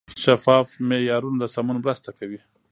شفاف معیارونه د سمون مرسته کوي.